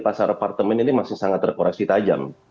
pasar apartemen ini masih sangat terkoreksi tajam